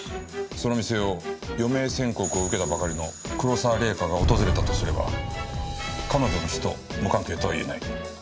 その店を余命宣告を受けたばかりの黒沢玲香が訪れたとすれば彼女の死と無関係とは言えない。